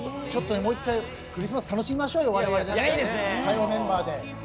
もう１回クリスマス、楽しみましょうよ、火曜メンバーで。